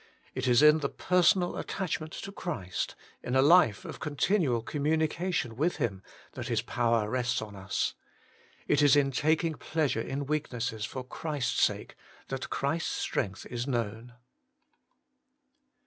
It is in the personal attachment to Christ, in a Ufe of continual communica tion with Him, that His power rests on us. It is in taking pleasure in weaknesses for Christ's sake that Christ's strength is known.